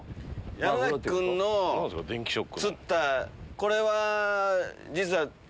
山君の釣ったこれは実は。